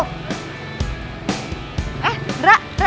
ketemu lagi di jt